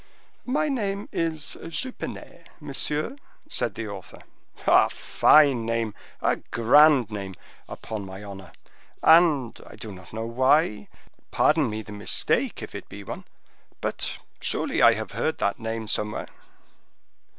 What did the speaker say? "My name is Jupenet, monsieur," said the author. "A fine name! a grand name! upon my honor; and I do not know why—pardon me the mistake, if it be one—but surely I have heard that name somewhere."